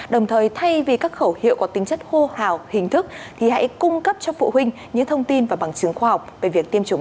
đồng thời thay vì các khẩu hiệu có tính chất hô hào hình thức thì hãy cung cấp cho phụ huynh những thông tin và bằng chứng khoa học về việc tiêm chủng